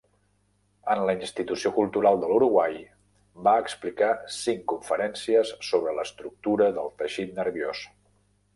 En la Institució Cultural de l'Uruguai va explicar cinc conferències sobre l'estructura del teixit nerviós.